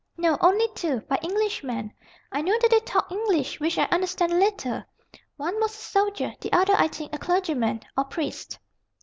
"No; only two, by Englishmen. I know that they talked English, which I understand a little. One was a soldier; the other, I think, a clergyman, or priest."